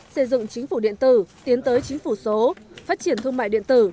xây dựng chính phủ điện tử tiến tới chính phủ số phát triển thương mại điện tử